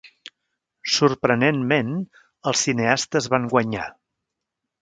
Sorprenentment, els cineastes van guanyar.